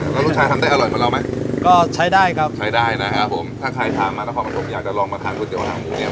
แล้วลูกชายทำได้อร่อยหมดแล้วไหมก็ใช้ได้ครับใช้ได้นะครับผมถ้าใครทำมาแล้วความกระทบอยากจะลองมาทานก๋วยเตี๋ยวหางหมูเนี้ย